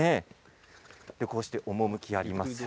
こうして趣のあります